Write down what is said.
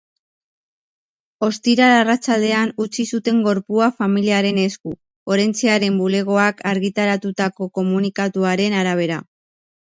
Ostiral arratsaldean utzi zuten gorpua familiaren esku, forentsearen bulegoak argitaratutako komunikatuaren arabera.